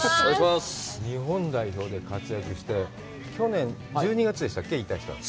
日本代表で活躍して、去年１２月でしたっけ、引退したの。